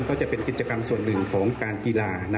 ก็จะเป็นกิจกรรมส่วนหนึ่งของการกีฬา